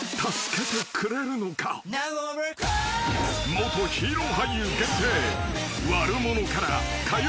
［元ヒーロー俳優限定］